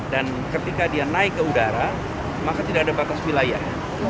dan ketika dia naik ke udara maka tidak ada batas wilayah